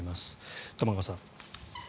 玉川さん。